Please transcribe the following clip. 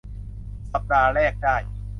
สัปดาห์แรกได้